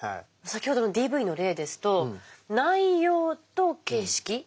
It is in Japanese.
先ほどのＤＶの例ですと「内容」と「形式」